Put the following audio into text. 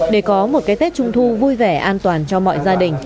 để có một cái tết trung thu vui vẻ an toàn cho mọi người